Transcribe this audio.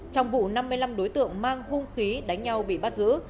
trong vụ năm mươi năm đối tượng mang hung khí đánh nhau bị bắt giữ